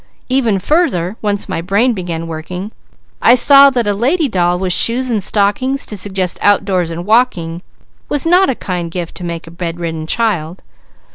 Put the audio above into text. Even further! Once my brain began working I saw that a lady doll with shoes and stockings to suggest outdoors and walking, was not a kind gift to make a bedridden child.